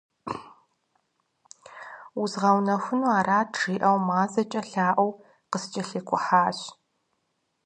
«Узгъэунэхуну арат» жиӏэу мазэкӏэ лъаӏуэу къыскӏэлъикӏухьащ.